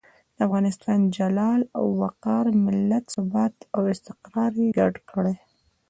د افغانستان جلال او وقار، ملت ثبات او استقرار یې ګډ کړي.